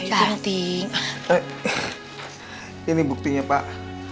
eh ini buktinya pak